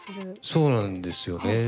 そうなんですよね。